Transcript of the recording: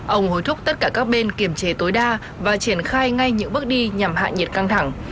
ông hối thúc tất cả các bên kiềm chế tối đa và triển khai ngay những bước đi nhằm hạ nhiệt căng thẳng